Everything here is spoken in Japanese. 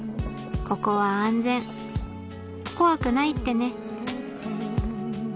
ここは安全怖くないってね